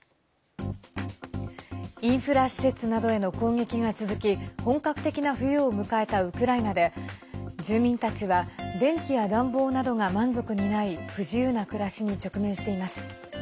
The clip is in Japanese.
インフラ施設などへの攻撃が続き本格的な冬を迎えたウクライナで住民たちは電気や暖房などが満足にない不自由な暮らしに直面しています。